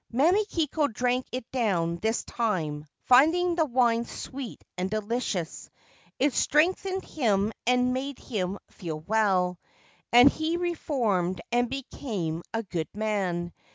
Mamikiko drank it down this time, finding the wine sweet and delicious ; it strengthened him and made him feel well, and he reformed and became a good man.